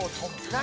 何？